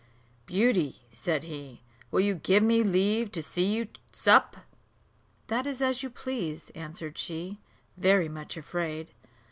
"Beauty," said he, "will you give me leave to see you sup?" "That is as you please," answered she, very much afraid.